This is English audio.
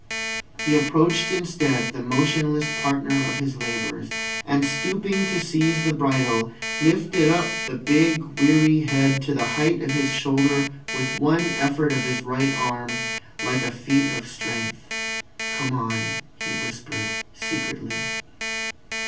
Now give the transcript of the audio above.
He approached instead the motionless partner of his labours, and stooping to seize the bridle, lifted up the big, weary head to the height of his shoulder with one effort of his right arm, like a feat of strength. "Come on," he whispered secretly.